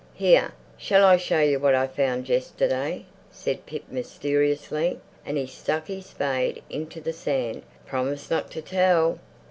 "Here, shall I show you what I found yesterday?" said Pip mysteriously, and he stuck his spade into the sand. "Promise not to tell."